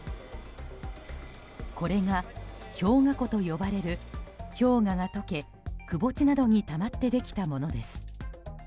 これが氷河湖と呼ばれる氷河が解けくぼ地などにたまってできたものです。